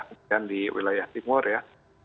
dan di wilayah timur ya